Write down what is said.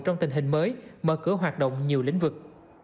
trong tình hình mới mở cửa hoạt động nhiều lĩnh vực